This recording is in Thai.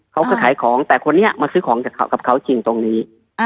เขาก็ขายของแต่คนนี้มาซื้อของกับเขาจริงตรงนี้